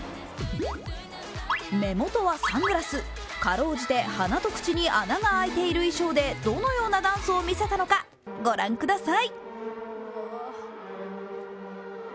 目元はサングラス、かろうじて鼻と口に穴が開いている衣装でどのようなダンスを見せたのかご覧ください。